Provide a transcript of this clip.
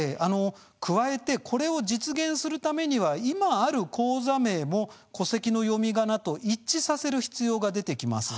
加えてこれを実現するためには今ある口座名も戸籍の読みがなと一致させる必要が出てきます。